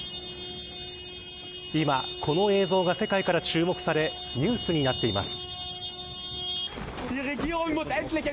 今、この映像が世界から注目されニュースになっています。